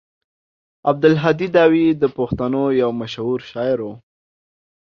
عبدالهادي داوي د پښتنو يو مشهور شاعر و.